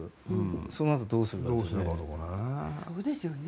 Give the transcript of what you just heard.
そのあとどうするとか。